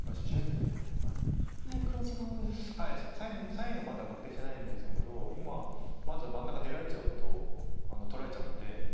左辺がまだ確定してないんですけど今まずは真ん中出られちゃうと取られちゃうので。